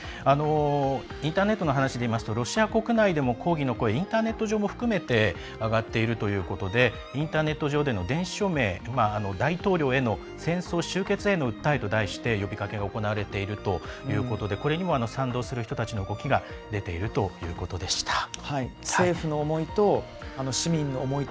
インターネットの話でいうとロシア国内でも抗議の声インターネット上を含めて上がっているということでインターネット上での電子署名、大統領への戦争終結への訴えと題して呼びかけが行われているということでこれにも賛同する人たちの動きが出ているということでした。